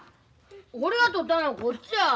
俺が取ったのはこっちや！